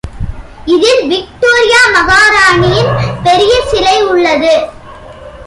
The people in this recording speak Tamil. இதில் விக்டோரியா மகாராணியின் பெரிய சிலை உள்ளது.